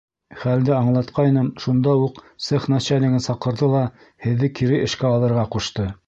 Хәлде аңлатҡайным, шунда уҡ цех начальнигын саҡырҙы ла һеҙҙе кире эшкә алырға ҡушты.